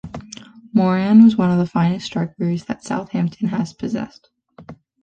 Moran was one of the finest strikers that Southampton has possessed.